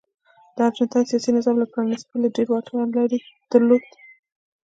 د ارجنټاین سیاسي نظام له پرانیستوالي ډېر واټن درلود.